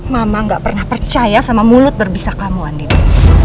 mama gak pernah percaya sama mulut berbisa kamu andika